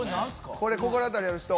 これ、心当たりある人は？